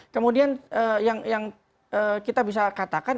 kemudian yang kita bisa katakan